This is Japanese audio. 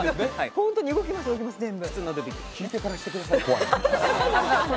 本当に動きます、全部。